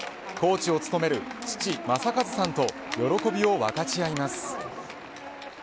コーチを務める父、正和さんと喜びを分かち合います。